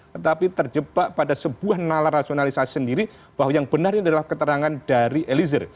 tetapi terjebak pada sebuah nalar rasionalisasi sendiri bahwa yang benar ini adalah keterangan dari eliezer